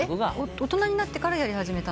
大人になってからやり始めた？